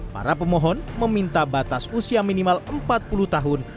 para pemohon meminta batas usia minimal empat puluh tahun